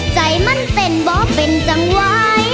ใจมั่นเต็นบ่เป็นจังหวาย